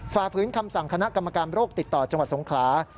ฝ่าฝืนคำสั่งคณะกรรมการโรคติดต่อจังหวัดสงขลา